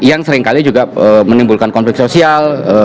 yang seringkali juga menimbulkan konflik sosial